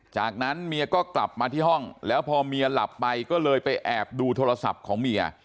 จากนั้นเมียก็กลับมาที่ห้องแล้วพอเมียหลับไปก็เลยไปแอบดูโทรศัพท์ของเมีย